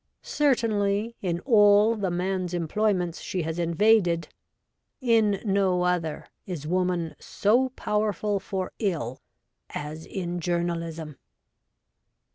Certainly, in all the man's employments she has invaded, in no other is woman so powerful for ill as in journalism.